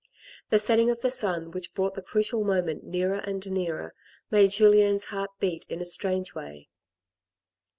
The setting of the sun which brought the crucial moment nearer and nearer made Julien's heart beat in a strange way.